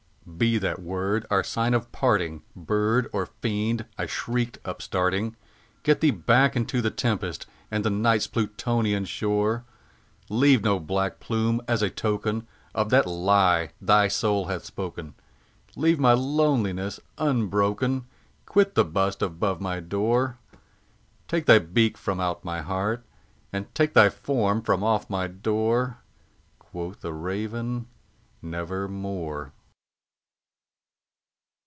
"Be that word our sign of parting, bird or fiend!" I shrieked, upstarting "Get thee back into the tempest and the Night's Plutonian shore! Leave no black plume as a token of that lie thy soul hath spoken! Leave my loneliness unbroken! quit the bust above my door! Take thy beak from out my heart, and take thy form from off my door!" Quoth the Raven, "Nevermore."